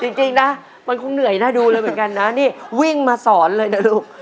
จริงนะมันคงเหนื่อยน่าดูเลยเหมือนกันนะนี่วิ่งมาสอนเลยนะลูก